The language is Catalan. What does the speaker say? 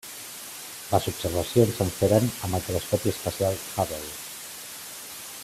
Les observacions se'n feren amb el telescopi espacial Hubble.